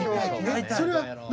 それは何？